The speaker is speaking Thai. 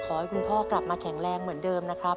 ขอให้คุณพ่อกลับมาแข็งแรงเหมือนเดิมนะครับ